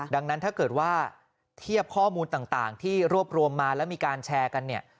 ดังนั้นถ้าเกิดว่าเทียบข้อมูลต่างที่รวบรวมมาแล้วมีการแชร์กันเนี่ย